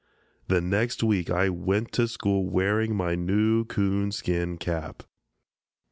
The next week I went to school wearing my new 'coon skin cap.